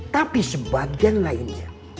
tapi sebagian lainnya